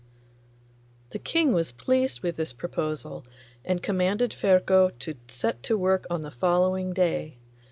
The King was pleased with this proposal, and commanded Ferko to set to work on the following day.